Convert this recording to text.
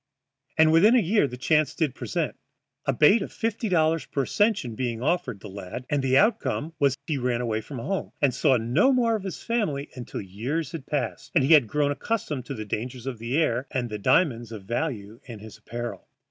And within a year the chance did present, a bait of fifty dollars per ascension being offered the lad, and the outcome was he ran away from home, and saw no more of his family until years had passed and he had grown accustomed to dangers of the air and diamonds of value in his apparel.